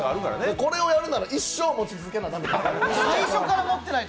これをやるなら一生やり続けないと。